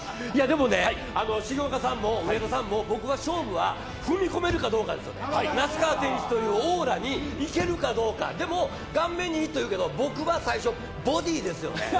重岡さんも上田さんも勝負は踏み込めるかどうか、那須川天心というオーラにいけるかどうか、でも顔面にっていうけど、僕は最初ボディですよね。